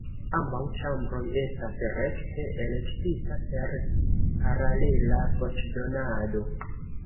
Ambaŭ ĉambroj estas rekte elektita per paralela voĉdonado.